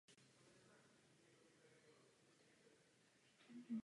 Zkusil proto svého syna a spolupráce se osvědčila.